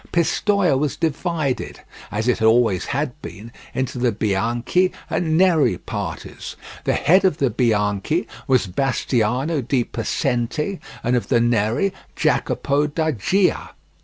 Pistoia was divided, as it always had been, into the Bianchi and Neri parties; the head of the Bianchi was Bastiano di Possente, and of the Neri, Jacopo da Gia.